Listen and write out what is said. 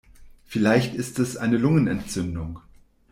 Vielleicht ist es eine Lungenentzündung.